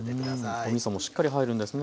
おみそもしっかり入るんですね。